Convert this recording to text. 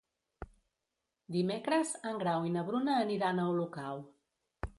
Dimecres en Grau i na Bruna aniran a Olocau.